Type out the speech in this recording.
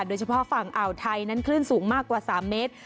โดยเฉพาะฝั่งอ่าวไทยนั้นคลื่นสูงมากกว่า๓เมตร